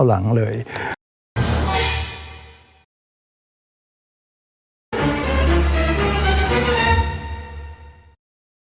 สวัสดีครับ